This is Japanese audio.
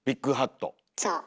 そう。